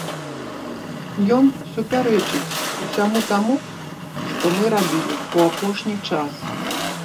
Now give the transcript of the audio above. Ён супярэчыць усяму таму, што мы рабілі ў апошні час.